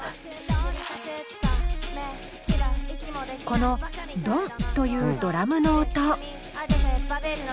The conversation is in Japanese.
この「ドンッ！」というドラムの音。